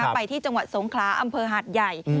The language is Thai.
ไปที่จังหวัดสงขลาอำเภอหาดใหญ่